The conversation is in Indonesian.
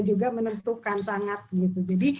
juga menentukan sangat gitu